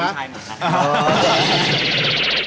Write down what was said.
กลิ่นใช่เหรอ